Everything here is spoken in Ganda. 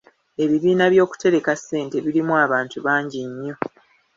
Ebibiina by'okutereka ssente birimu abantu bangi nnyo.